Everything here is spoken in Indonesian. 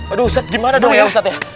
aduh ustaz gimana dong ya ustaz ya